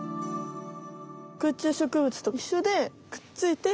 空中植物といっしょでくっついて。